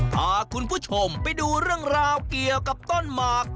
พาคุณผู้ชมไปดูเรื่องราวเกี่ยวกับต้นหมาก